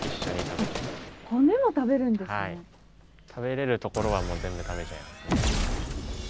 食べれるところはもう全部食べちゃいますね。